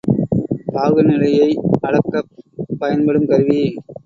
பாகுநிலையை அளக்கப் பயன்படும் கருவி.